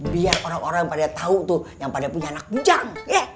biar orang orang yang pada tau tuh yang pada punya anak bujang